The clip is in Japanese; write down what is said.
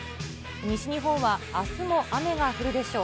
西日本はあすも雨が降るでしょう。